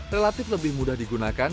relatif lebih mudah digunakan